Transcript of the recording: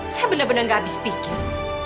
saya benar benar gak habis pikir